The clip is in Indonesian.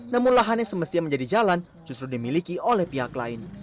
namun lahan yang semestinya menjadi jalan justru dimiliki oleh pihak lain